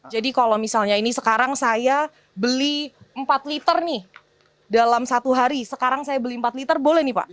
jadi kalau misalnya ini sekarang saya beli empat liter nih dalam satu hari sekarang saya beli empat liter boleh nih pak